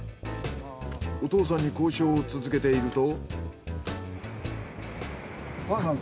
お父さんに交渉を続けていると。